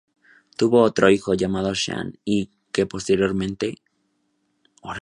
Tuvo otro hijo, llamado Xian, que reinó posteriormente.